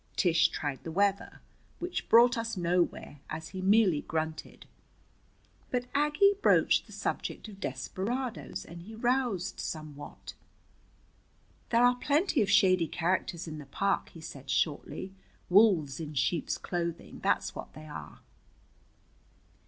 Tish tried the weather, which brought us nowhere, as he merely grunted. But Aggie broached the subject of desperadoes, and he roused somewhat. "There are plenty of shady characters in the park," he said shortly. "Wolves in sheep's clothing, that's what they are."